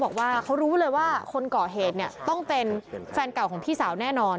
บอกว่าเขารู้เลยว่าคนก่อเหตุเนี่ยต้องเป็นแฟนเก่าของพี่สาวแน่นอน